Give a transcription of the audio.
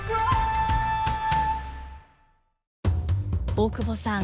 大久保さん